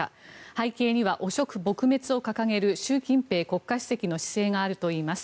背景には汚職撲滅を掲げる習近平国家主席の姿勢があるといいます。